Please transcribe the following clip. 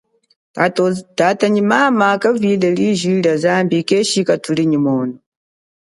Tata nyi mama kevile liji lia zambi keshika thuli nyi mono.